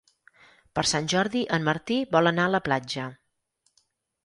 Per Sant Jordi en Martí vol anar a la platja.